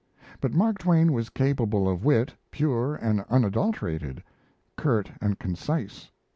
But Mark Twain was capable of wit, pure and unadulterated, curt and concise.